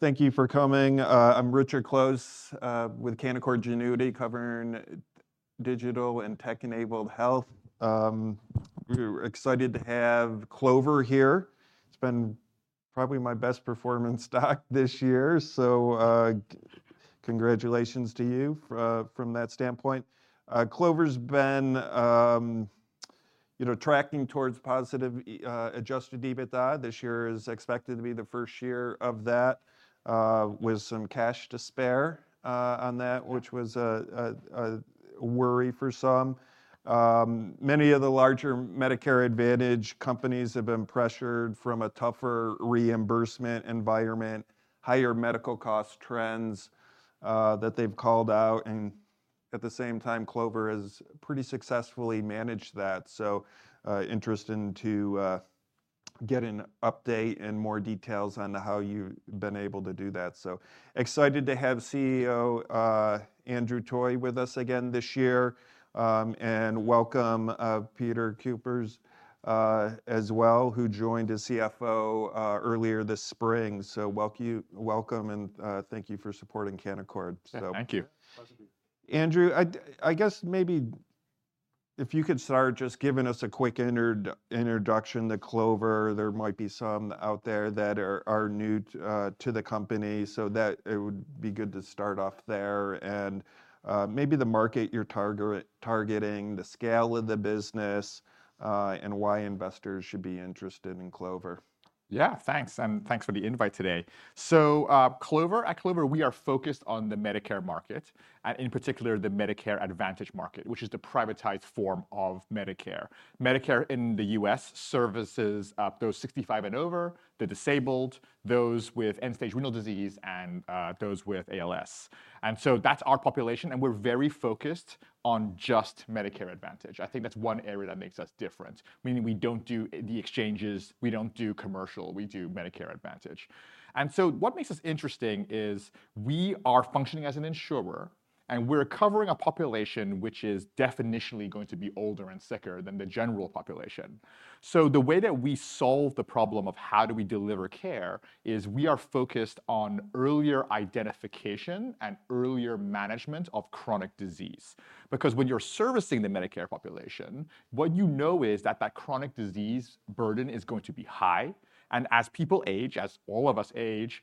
Thank you for coming. I'm Richard Close with Canaccord Genuity, covering Digital and Tech-Enabled Health. We're excited to have Clover here. It's been probably my best performing stock this year, so congratulations to you from that standpoint. Clover's been, you know, tracking towards positive adjusted EBITDA. This year is expected to be the first year of that with some cash to spare on that, which was a worry for some. Many of the larger Medicare Advantage companies have been pressured from a tougher reimbursement environment, higher medical cost trends that they've called out, and at the same time Clover has pretty successfully managed that. So interesting to get an update and more details on how you've been able to do that. So, excited to have CEO Andrew Toy with us again this year. And welcome, Peter Kuipers, as well, who joined as CFO earlier this spring. So, well, welcome, and thank you for supporting Canaccord, so. Thank you. Pleasure. Andrew, I guess maybe if you could start just giving us a quick introduction to Clover. There might be some out there that are new to the company, so that it would be good to start off there. Maybe the market you're targeting, the scale of the business, and why investors should be interested in Clover. Yeah, thanks, and thanks for the invite today. So, Clover... At Clover, we are focused on the Medicare market, in particular, the Medicare Advantage market, which is the privatized form of Medicare. Medicare in the U.S. services those 65 and over, the disabled, those with end-stage renal disease, and those with ALS. And so, that's our population, and we're very focused on just Medicare Advantage. I think that's one area that makes us different, meaning we don't do the exchanges, we don't do commercial, we do Medicare Advantage. And so, what makes us interesting is we are functioning as an insurer, and we're covering a population which is definitionally going to be older and sicker than the general population. So the way that we solve the problem of how do we deliver care, is we are focused on earlier identification and earlier management of chronic disease. Because when you're servicing the Medicare population, what you know is that that chronic disease burden is going to be high, and as people age, as all of us age,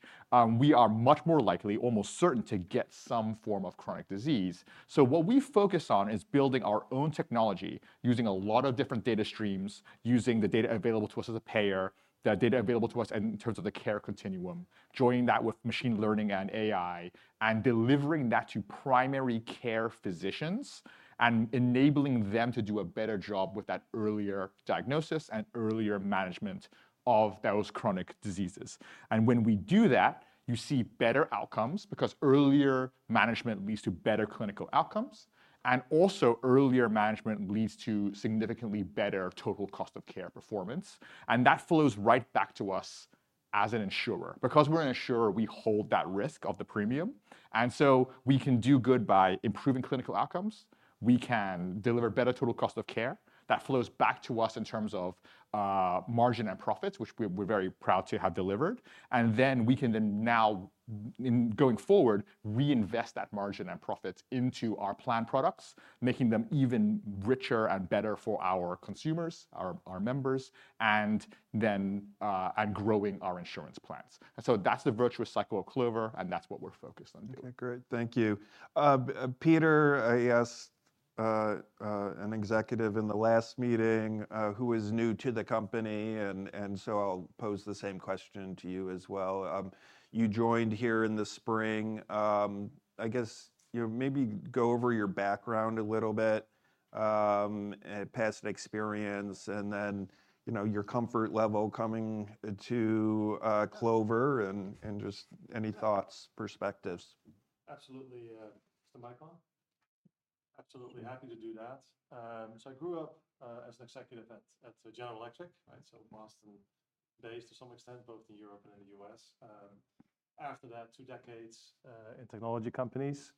we are much more likely, almost certain, to get some form of chronic disease. So what we focus on is building our own technology, using a lot of different data streams, using the data available to us as a payer, the data available to us in terms of the care continuum, joining that with machine learning and AI, and delivering that to primary care physicians, and enabling them to do a better job with that earlier diagnosis and earlier management of those chronic diseases. And when we do that, you see better outcomes, because earlier management leads to better clinical outcomes, and also earlier management leads to significantly better total cost of care performance, and that flows right back to us as an insurer. Because we're an insurer, we hold that risk of the premium, and so we can do good by improving clinical outcomes, we can deliver better total cost of care. That flows back to us in terms of, margin and profits, which we, we're very proud to have delivered, and then we can then now, in going forward, reinvest that margin and profit into our plan products, making them even richer and better for our consumers, our, our members, and then, and growing our insurance plans. And so that's the virtuous cycle of Clover, and that's what we're focused on doing. Okay, great. Thank you. Peter, I asked an executive in the last meeting who is new to the company, and so I'll pose the same question to you as well. You joined here in the spring. I guess, you know, maybe go over your background a little bit, and past experience, and then, you know, your comfort level coming to Clover, and just any thoughts, perspectives. Absolutely. Is the mic on? Absolutely happy to do that. So I grew up as an executive at General Electric, right, so Boston-based to some extent, both in Europe and in the U.S. After that, two decades in technology companies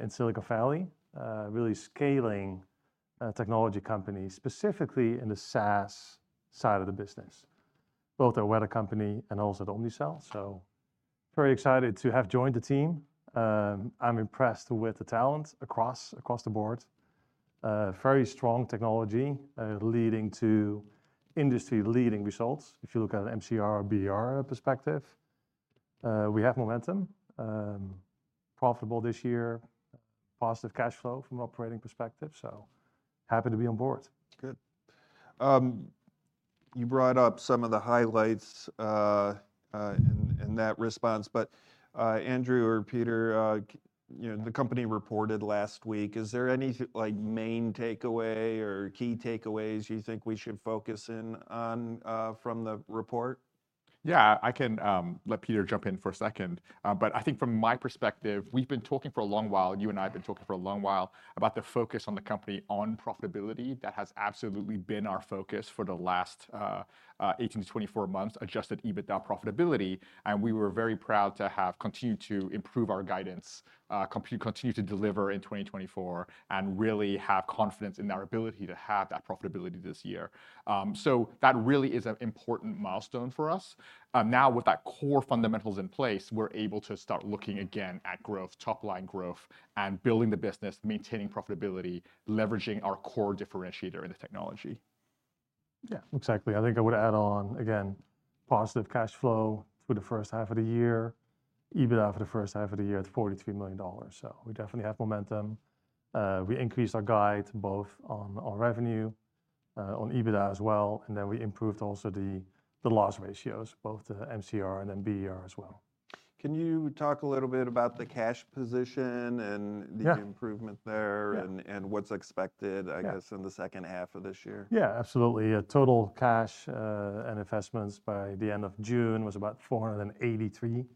in Silicon Valley, really scaling technology companies, specifically in the SaaS side of the business, both at Weather Company and also at Omnicell. So very excited to have joined the team. I'm impressed with the talent across the board. Very strong technology leading to industry-leading results, if you look at an MCR, BER perspective. We have momentum, profitable this year, positive cash flow from an operating perspective, so happy to be on board. Good. You brought up some of the highlights in that response, but Andrew or Peter, you know, the company reported last week. Is there any like main takeaway or key takeaways you think we should focus in on from the report? Yeah, I can let Peter jump in for a second. But I think from my perspective, we've been talking for a long while, you and I have been talking for a long while, about the focus on the company on profitability. That has absolutely been our focus for the last 18 months-24 months, adjusted EBITDA profitability, and we were very proud to have continued to improve our guidance, continue to deliver in 2024, and really have confidence in our ability to have that profitability this year. So that really is an important milestone for us. Now, with that core fundamentals in place, we're able to start looking again at growth, top line growth, and building the business, maintaining profitability, leveraging our core differentiator in the technology. .Yeah, exactly. I think I would add on, again, positive cash flow through the first half of the year, EBITDA for the first half of the year at $43 million. So we definitely have momentum. We increased our guide both on revenue, on EBITDA as well, and then we improved also the loss ratios, both the MCR and then BER as well. Can you talk a little bit about the cash position and. Yeah The improvement there. Yeah And what's expected. Yeah I guess, in the second half of this year? Yeah, absolutely. Total cash and investments by the end of June was about $483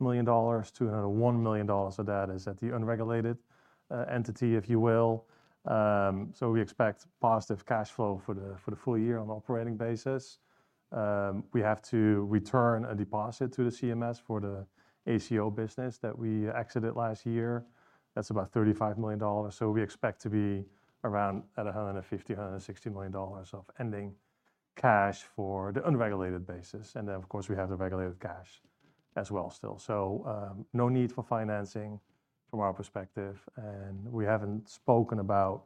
million, $201 million of that is at the unregulated entity, if you will. So we expect positive cash flow for the full year on an operating basis. We have to return a deposit to the CMS for the ACO business that we exited last year. That's about $35 million. So we expect to be around $150 million, $160 million of ending cash for the unregulated basis, and then, of course, we have the regulated cash as well still. So, no need for financing from our perspective, and we haven't spoken about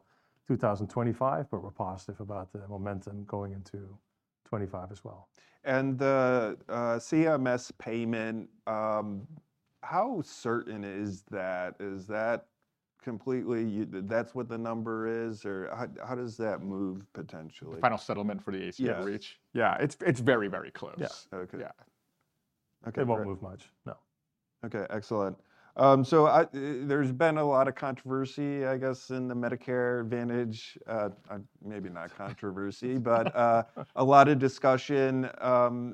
2025, but we're positive about the momentum going into 2025 as well. And the CMS payment, how certain is that? Is that completely... That's what the number is, or how does that move potentially? Final settlement for the ACO REACH? Yes. Yeah, it's, it's very, very close. Yeah. Okay. Yeah. Okay. It won't move much, no. Okay, excellent. So, there's been a lot of controversy, I guess, in the Medicare Advantage. Maybe not controversy, but a lot of discussion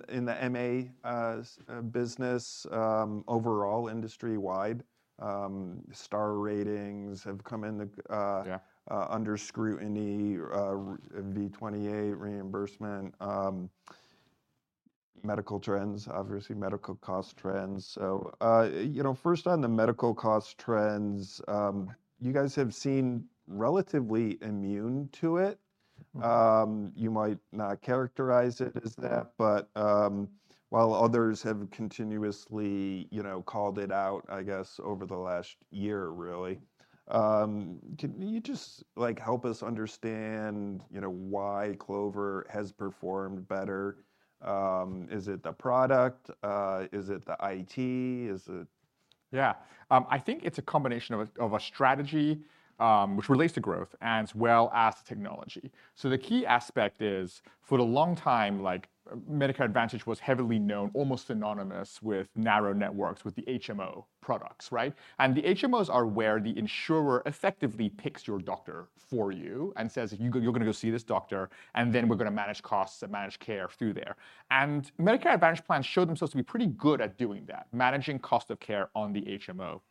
in the MA business overall, industry-wide. Star Ratings have come in the. Yeah Under scrutiny, V28 reimbursement, medical trends, obviously medical cost trends. So, you know, first on the medical cost trends, you guys have seemed relatively immune to it. You might not characterize it as that, but, while others have continuously, you know, called it out, I guess, over the last year really, can you just, like, help us understand, you know, why Clover has performed better? Is it the product? Is it the IT? Is it? Yeah. I think it's a combination of a, of a strategy, which relates to growth, as well as technology. So the key aspect is, for a long time, like, Medicare Advantage was heavily known, almost synonymous with narrow networks, with the HMO products, right? And the HMOs are where the insurer effectively picks your doctor for you and says, "You're gonna go see this doctor, and then we're gonna manage costs and manage care through there." And Medicare Advantage plans showed themselves to be pretty good at doing that, managing cost of care on the HMO.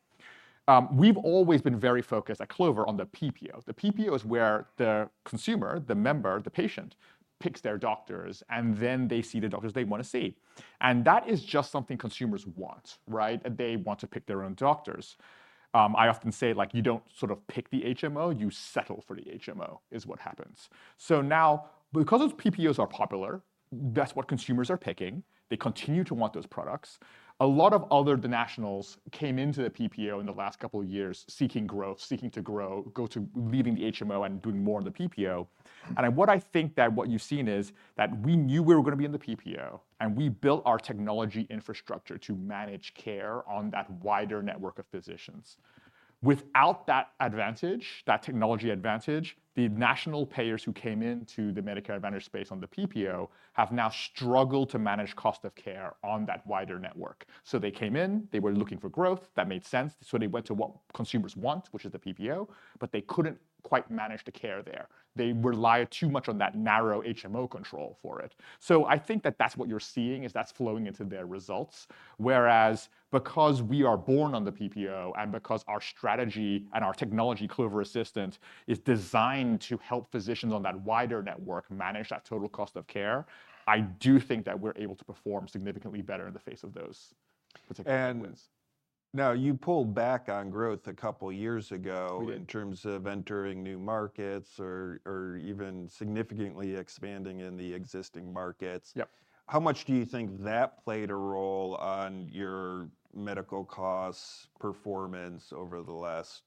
We've always been very focused at Clover on the PPO. The PPO is where the consumer, the member, the patient, picks their doctors, and then they see the doctors they wanna see, and that is just something consumers want, right? They want to pick their own doctors. I often say, like, you don't sort of pick the HMO, you settle for the HMO, is what happens. So now, because those PPOs are popular, that's what consumers are picking, they continue to want those products. A lot of other nationals came into the PPO in the last couple of years seeking growth, seeking to grow, going to leave the HMO and doing more in the PPO. And what I think is what you've seen is, that we knew we were gonna be in the PPO, and we built our technology infrastructure to manage care on that wider network of physicians. Without that advantage, that technology advantage, the national payers who came into the Medicare Advantage space on the PPO have now struggled to manage cost of care on that wider network. So they came in, they were looking for growth. That made sense, so they went to what consumers want, which is the PPO, but they couldn't quite manage the care there. They relied too much on that narrow HMO control for it. So I think that that's what you're seeing, is that's flowing into their results. Whereas, because we are born on the PPO, and because our strategy and our technology, Clover Assistant, is designed to help physicians on that wider network manage that total cost of care, I do think that we're able to perform significantly better in the face of those particular wins. Now, you pulled back on growth a couple years ago? We did In terms of entering new markets or even significantly expanding in the existing markets. Yep. How much do you think that played a role on your medical costs, performance over the last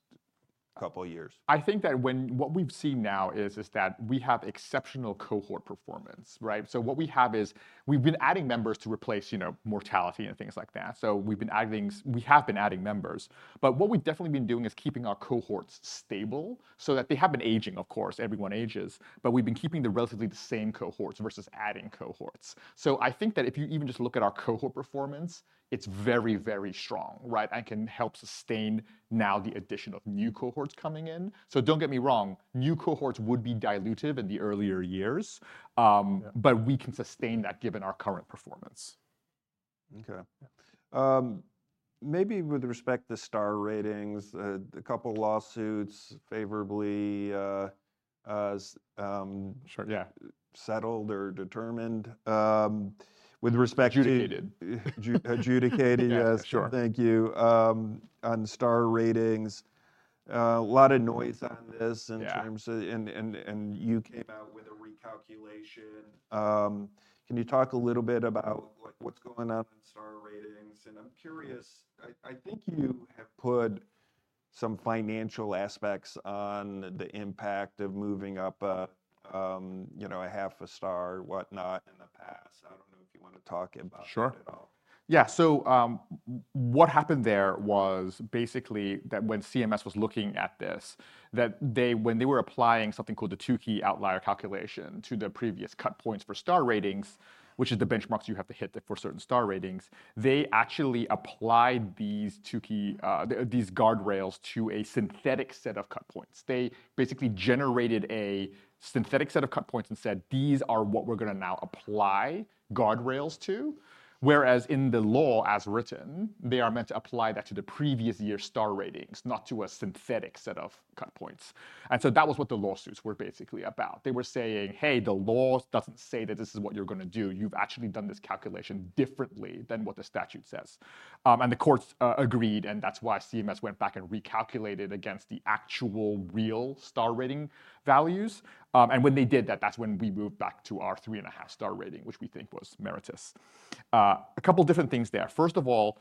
couple years? I think that what we've seen now is that we have exceptional cohort performance, right? So what we have is, we've been adding members to replace, you know, mortality and things like that, so we've been adding, we have been adding members. But what we've definitely been doing is keeping our cohorts stable, so that they have been aging, of course, everyone ages, but we've been keeping them relatively the same cohorts versus adding cohorts. So I think that if you even just look at our cohort performance, it's very, very strong, right? And can help sustain now the addition of new cohorts coming in. So don't get me wrong, new cohorts would be diluted in the earlier years. Yeah But we can sustain that given our current performance. Okay. Maybe with respect to Star Ratings, a couple of lawsuits favorably. Sure, yeah Settled or determined, with respect to. Adjudicated. Adjudicated, yes. Sure. Thank you. On Star Ratings, a lot of noise on this. Yeah In terms of, you came out with a recalculation. Can you talk a little bit about, like, what's going on in Star Ratings?... And I'm curious, I think you have put some financial aspects on the impact of moving up a, you know, a half a star or whatnot in the past. I don't know if you wanna talk about. Sure. Yeah, so, what happened there was basically that when CMS was looking at this, that they... When they were applying something called the Tukey Outlier Calculation to the previous cut points for Star Ratings, which is the benchmarks you have to hit for certain Star Ratings, they actually applied these Tukey, these guardrails to a synthetic set of cut points. They basically generated a synthetic set of cut points and said, "These are what we're gonna now apply guardrails to." Whereas in the law, as written, they are meant to apply that to the previous year's Star Ratings, not to a synthetic set of cut points, and so that was what the lawsuits were basically about. They were saying, "Hey, the law doesn't say that this is what you're gonna do. You've actually done this calculation differently than what the statute says." And the courts agreed, and that's why CMS went back and recalculated against the actual real Star Rating values. And when they did that, that's when we moved back to our 3.5 Star Rating, which we think was merited. A couple different things there. First of all,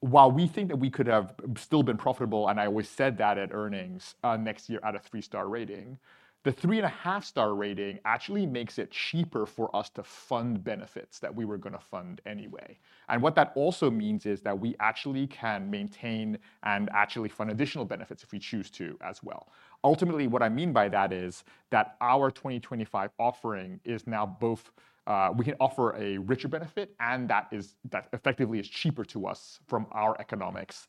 while we think that we could have still been profitable, and I always said that at earnings, next year at a 3-Star Rating, the 3.5 Star Rating actually makes it cheaper for us to fund benefits that we were gonna fund anyway. And what that also means is that we actually can maintain and actually fund additional benefits if we choose to as well. Ultimately, what I mean by that is that our 2025 offering is now both we can offer a richer benefit, and that is, that effectively is cheaper to us from our economics,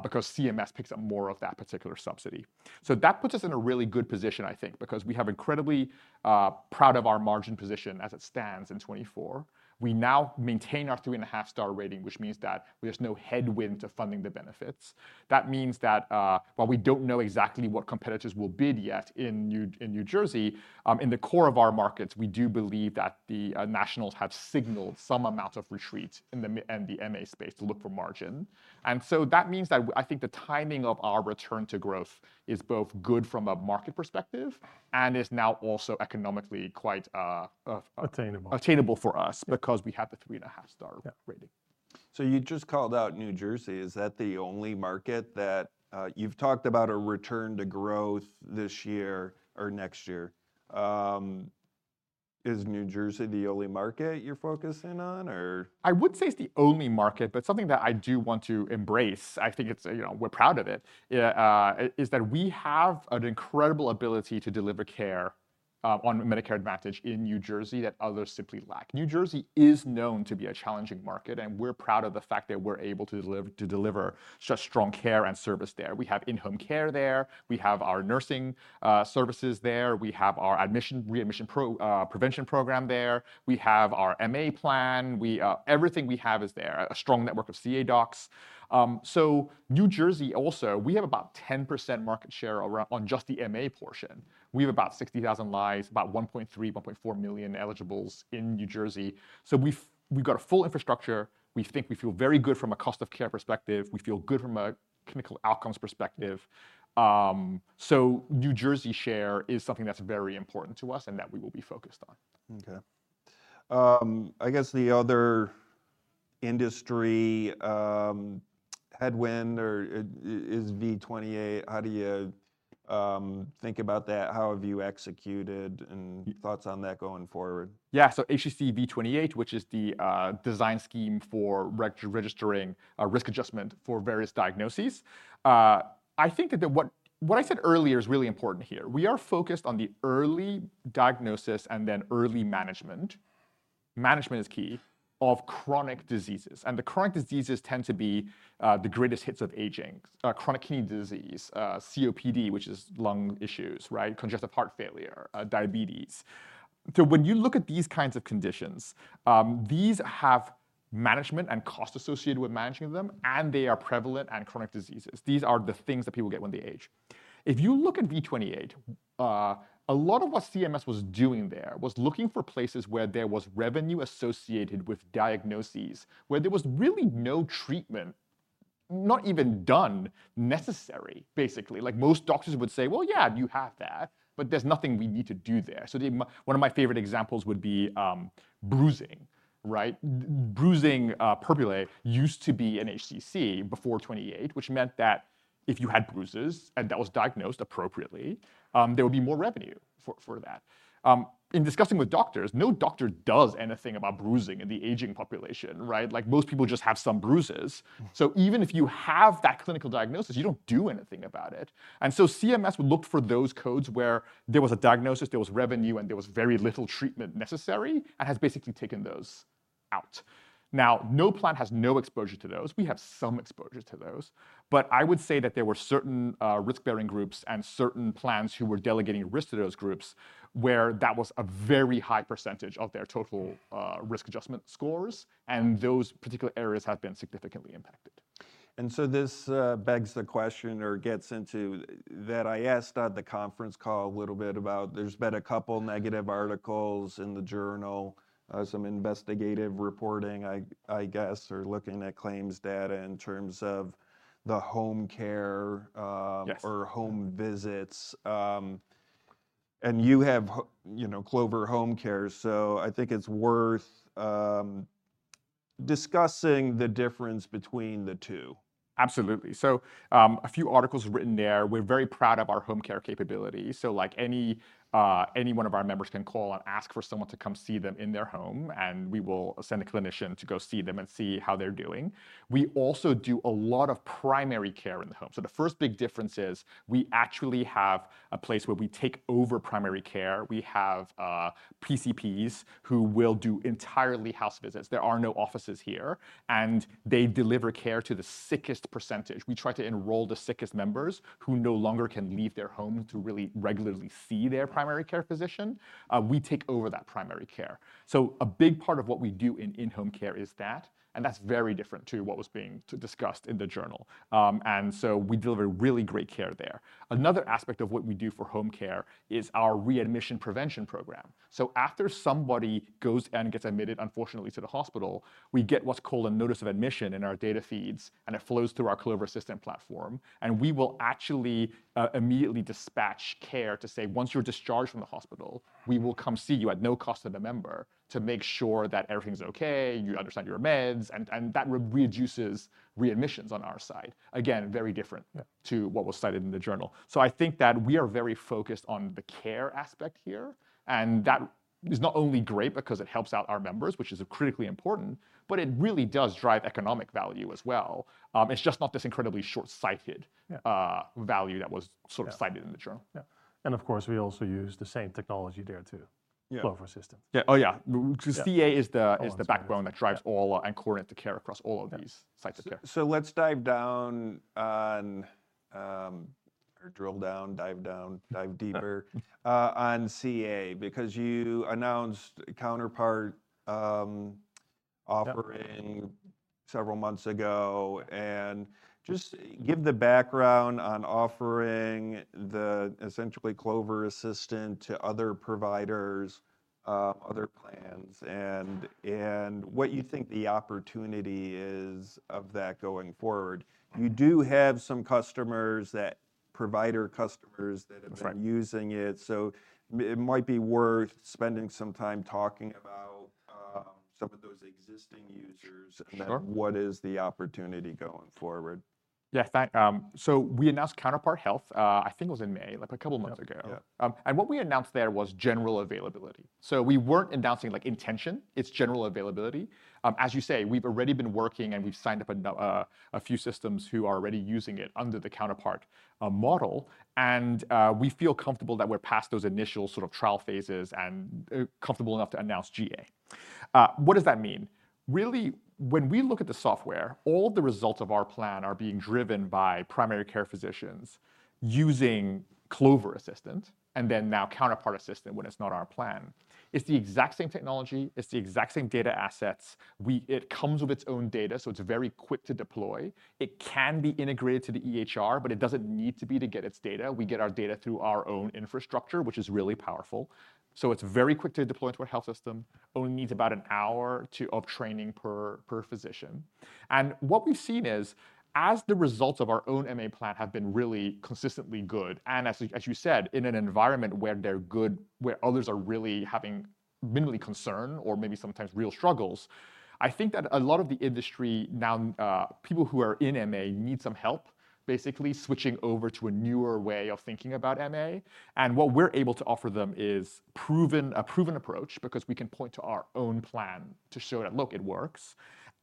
because CMS picks up more of that particular subsidy. So that puts us in a really good position, I think, because we have incredibly, proud of our margin position as it stands in 2024. We now maintain our 3.5 Star Rating, which means that there's no headwind to funding the benefits. That means that, while we don't know exactly what competitors will bid yet in New Jersey, in the core of our markets, we do believe that the nationals have signaled some amount of retreat in the MA space to look for margin. And so that means that I think the timing of our return to growth is both good from a market perspective, and is now also economically quite. Attainable Attainable for us because we have the 3.5 Star Rating. Yeah. So you just called out New Jersey. Is that the only market that you've talked about a return to growth this year or next year? Is New Jersey the only market you're focusing on, or? I wouldn't say it's the only market, but something that I do want to embrace, I think it's, you know, we're proud of it, is that we have an incredible ability to deliver care on Medicare Advantage in New Jersey that others simply lack. New Jersey is known to be a challenging market, and we're proud of the fact that we're able to deliver, to deliver such strong care and service there. We have in-home care there, we have our nursing services there, we have our Admission-Readmission Prevention program there, we have our MA plan. We, everything we have is there, a strong network of CA docs. So New Jersey also, we have about 10% market share around on just the MA portion. We have about 60,000 lives, about 1.3 million, 1.4 million eligibles in New Jersey. So we've got a full infrastructure. We think we feel very good from a cost-of-care perspective. We feel good from a clinical outcomes perspective. New Jersey share is something that's very important to us and that we will be focused on. Okay. I guess the other industry headwind or is V28. How do you think about that? How have you executed, and thoughts on that going forward? Yeah. So HCC V28, which is the design scheme for registering risk adjustment for various diagnoses. I think that the what I said earlier is really important here. We are focused on the early diagnosis and then early management, management is key, of chronic diseases, and the chronic diseases tend to be the greatest hits of aging. Chronic kidney disease, COPD, which is lung issues, right? Congestive heart failure, diabetes. So when you look at these kinds of conditions, these have management and cost associated with managing them, and they are prevalent and chronic diseases. These are the things that people get when they age. If you look at V28, a lot of what CMS was doing there was looking for places where there was revenue associated with diagnoses, where there was really no treatment, not even done, necessary, basically. Like, most doctors would say, "Well, yeah, you have that, but there's nothing we need to do there." So one of my favorite examples would be, bruising, right? bruising, purpura used to be an HCC before V28, which meant that if you had bruises and that was diagnosed appropriately, there would be more revenue for that. In discussing with doctors, no doctor does anything about bruising in the aging population, right? Like, most people just have some bruises. Mm. So even if you have that clinical diagnosis, you don't do anything about it. And so CMS would look for those codes where there was a diagnosis, there was revenue, and there was very little treatment necessary, and has basically taken those out. Now, no plan has no exposure to those. We have some exposure to those, but I would say that there were certain, risk-bearing groups and certain plans who were delegating risk to those groups, where that was a very high percentage of their total, risk adjustment scores, and those particular areas have been significantly impacted. This begs the question, or gets into, that I asked on the conference call a little bit about. There's been a couple negative articles in the journal, some investigative reporting, I, I guess, or looking at claims data in terms of the home care. Yes Or home visits. You have, you know, Clover Home Care, so I think it's worth discussing the difference between the two. Absolutely. So, a few articles were written there. We're very proud of our home care capability, so like any, any one of our members can call and ask for someone to come see them in their home, and we will send a clinician to go see them and see how they're doing. We also do a lot of primary care in the home. So the first big difference is, we actually have a place where we take over primary care. We have, PCPs who will do entirely house visits. There are no offices here, and they deliver care to the sickest percentage. We try to enroll the sickest members who no longer can leave their home to really regularly see their primary care physician. We take over that primary care. So a big part of what we do in-home care is that, and that's very different to what was being discussed in the journal. And so we deliver really great care there. Another aspect of what we do for home care is our Readmission Prevention Program. So after somebody goes and gets admitted, unfortunately, to the hospital, we get what's called a notice of admission in our data feeds, and it flows through our Clover Assistant platform, and we will actually immediately dispatch care to say, "Once you're discharged from the hospital, we will come see you at no cost to the member, to make sure that everything's okay, you understand your meds," and that reduces readmissions on our side. Again, very different. Yeah To what was cited in the journal. So I think that we are very focused on the care aspect here, and that is not only great because it helps out our members, which is critically important, but it really does drive economic value as well. It's just not this incredibly short-sighted. Yeah Value that was sort of. Yeah Cited in the journal. Yeah, and of course, we also use the same technology there, too. Yeah. Clover Assistant. Yeah. Oh, yeah, 'cause CA is the. Is the backbone that drives all and coordinate the care across all of these. Yeah Sites of care. So let's dive deeper on CA, because you announced Counterpart offering. Yep Several months ago. And just give the background on offering the essentially Clover Assistant to other providers, other plans, and what you think the opportunity is of that going forward. You do have some customers, that provider customers, that-. Right Have been using it, so it might be worth spending some time talking about some of those existing users. Sure. What is the opportunity going forward? Yeah, so we announced Counterpart Health, I think it was in May, like a couple of months ago. Yeah, yeah. And what we announced there was general availability, so we weren't announcing, like, intention. It's general availability. As you say, we've already been working, and we've signed up a few systems who are already using it under the Counterpart model, and we feel comfortable that we're past those initial sort of trial phases and comfortable enough to announce GA. What does that mean? Really, when we look at the software, all the results of our plan are being driven by primary care physicians using Clover Assistant, and then now Counterpart Assistant, when it's not our plan. It's the exact same technology. It's the exact same data assets. It comes with its own data, so it's very quick to deploy. It can be integrated to the EHR, but it doesn't need to be to get its data. We get our data through our own infrastructure, which is really powerful. So it's very quick to deploy to a health system, only needs about an hour of training per physician. And what we've seen is, as the results of our own MA plan have been really consistently good, and as you, as you said, in an environment where they're good, where others are really having minimally concern or maybe sometimes real struggles, I think that a lot of the industry now, people who are in MA need some help, basically switching over to a newer way of thinking about MA. And what we're able to offer them is proven, a proven approach, because we can point to our own plan to show that, look, it works.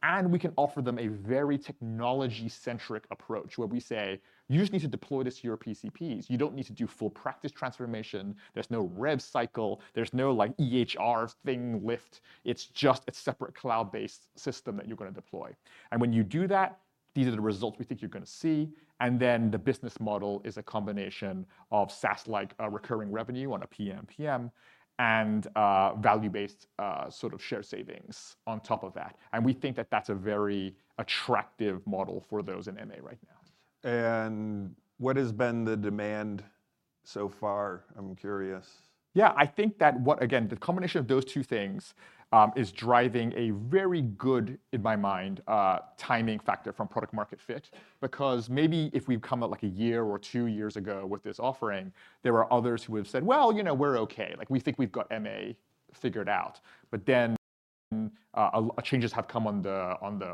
And we can offer them a very technology-centric approach, where we say, "You just need to deploy this to your PCPs. You don't need to do full practice transformation. There's no rev cycle. There's no, like, EHR thing lift. It's just a separate cloud-based system that you're gonna deploy. And when you do that, these are the results we think you're gonna see." And then the business model is a combination of SaaS, like a recurring revenue on a PMPM, and, value-based, sort of shared savings on top of that, and we think that that's a very attractive model for those in MA right now. What has been the demand so far? I'm curious. Yeah, I think that. Again, the combination of those two things is driving a very good, in my mind, timing factor from product-market fit. Because maybe if we'd come out, like, a year or two years ago with this offering, there are others who would've said, "Well, you know, we're okay. Like, we think we've got MA figured out." But then, the changes have come on the, on the, on the.